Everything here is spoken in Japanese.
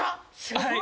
はい。